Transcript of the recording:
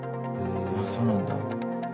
あっそうなんだ。